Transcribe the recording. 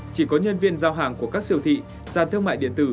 chỉ có nhân viên giao hàng của các siêu thị sàn thương mại điện tử